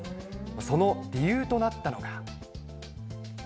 その理由となったのが。